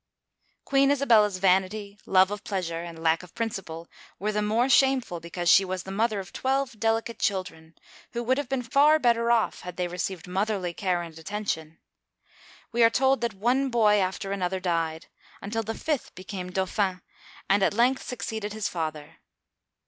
Queen Isabella's vanity, love of pleasure, and lack of principle, were the more shameful because she was the mother of twelve delicate children, who would have been far better off had they received motherly care and atten tion. We are told that one boy after another died, until the fifth became Dauphin and at length succeeded his father.